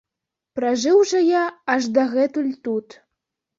Пражыў жа я аж дагэтуль тут.